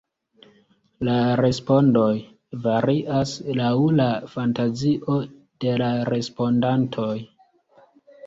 La respondoj varias laŭ la fantazio de la respondantoj.